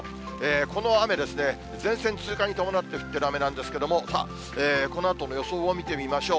この雨ですね、前線通過に伴って降ってる雨なんですけれども、このあとの予想を見てみましょう。